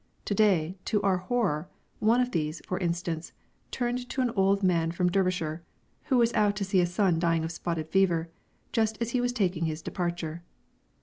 To day, to our horror, one of these, for instance, turned to an old man from Derbyshire who was out to see a son dying of spotted fever just as he was taking his departure.